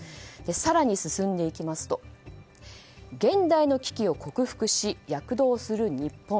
更に進んでいきますと現代の危機を克服し躍動する日本。